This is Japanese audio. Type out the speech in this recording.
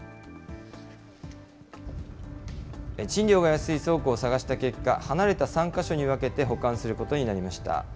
賃料が安い倉庫を探した結果、離れた３か所に分けて保管することになりました。